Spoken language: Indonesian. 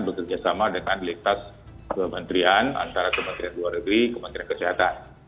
bekerjasama dengan lintas kementerian antara kementerian luar negeri kementerian kesehatan